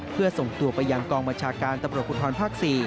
เพื่อส่งตัวไปยังกองมจาการตำรวจพุทธรพศ